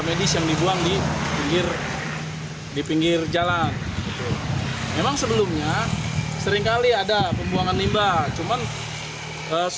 menurut keterangan warga mobil mobil minibus